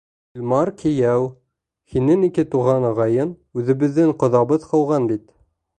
Илмар кейәү, һинең ике туған ағайың, үҙебеҙҙең ҡоҙабыҙ ҡыуған бит.